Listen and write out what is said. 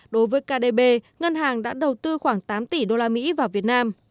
đối với kdb ngân hàng đã đầu tư khoảng tám tỷ usd vào việt nam